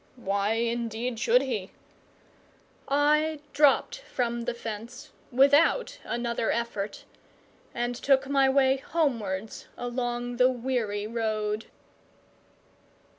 Why, indeed, should he? I dropped from the fence without another effort, and took my way homewards along the weary road.